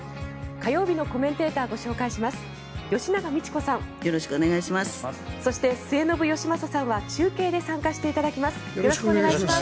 火曜日のコメンテーターをご紹介します。